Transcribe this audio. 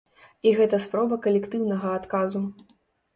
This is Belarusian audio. І гэта спроба калектыўнага адказу.